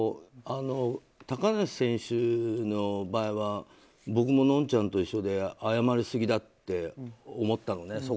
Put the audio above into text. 高梨選手の場合は僕ものんちゃんと一緒で謝りすぎだって思ったのね。